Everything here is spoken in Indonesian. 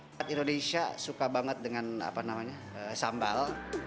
sambal di indonesia suka banget dengan sambal